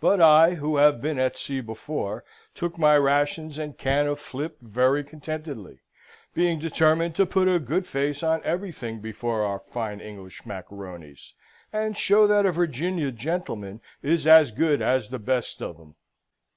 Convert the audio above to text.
But I, who have been at sea before, took my rations and can of flip very contentedly: being determined to put a good face on everything before our fine English macaronis, and show that a Virginia gentleman is as good as the best of 'em.